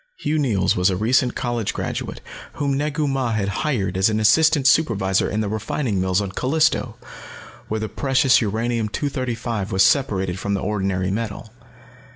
Hugh Neils was a recent college graduate whom Negu Mah had hired as an assistant supervisor in the refining mills on Callisto, where the precious uranium 235 was separated from the ordinary metal.